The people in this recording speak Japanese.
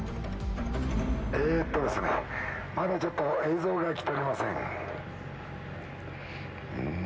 えーっとですね、まだちょっと、映像が来ておりません。